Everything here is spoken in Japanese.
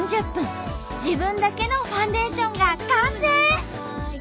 自分だけのファンデーションが完成！